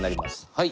はい。